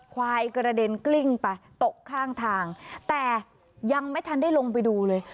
ควายกระเด็นกลิ้งไปตกข้างทางแต่ยังไม่ทันได้ลงไปดูเลย